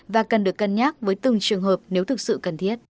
và cần được cân nhắc với từng trường hợp nếu thực sự cần thiết